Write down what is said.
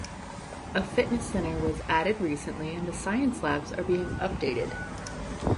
A fitness center was added recently and the science labs are being updated.